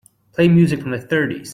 Play music from the thirties.